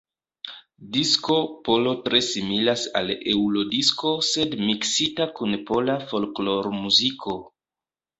Disko polo tre similas al Eurodisko sed miksita kun pola folklormuziko.